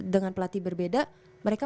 dengan pelatih berbeda mereka